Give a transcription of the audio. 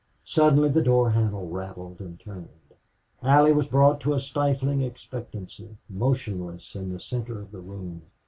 Suddenly the door handle rattled and turned. Allie was brought to a stifling expectancy, motionless in the center of the room.